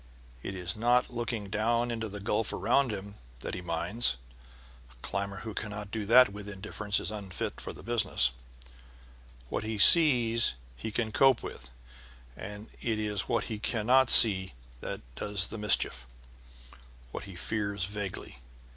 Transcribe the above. It is not looking down into the gulf around him that he minds (the climber who cannot do that with indifference is unfit for the business); what he sees he can cope with; it is what he cannot see that does the mischief what he fears vaguely.